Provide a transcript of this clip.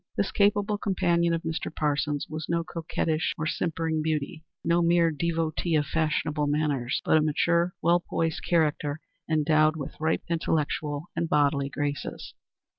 This capable companion of Mr. Parsons was no coquettish or simpering beauty, no mere devotee of fashionable manners, but a mature, well poised character endowed with ripe intellectual and bodily graces.